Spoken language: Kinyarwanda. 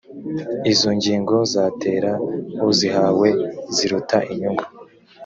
izo ngingo zatera uzihawe ziruta inyungu